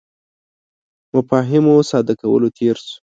مفاهیمو ساده کولو تېر شو.